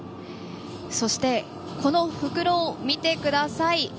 そして、この袋、見てください。